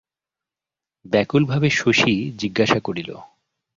ব্যাকুলভাবে শশী জিজ্ঞাসা করিল।